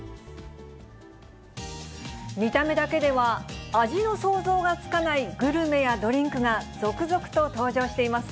見た目だけでは、味の想像がつかないグルメやドリンクが続々と登場しています。